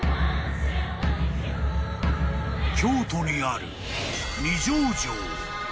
［京都にある］